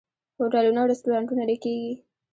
هوټلونه او رستورانتونه ډکیږي.